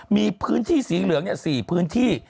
มีพื้นที่สีเหลือง๔พื้นที่